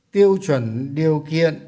tiêu chuẩn điều kiện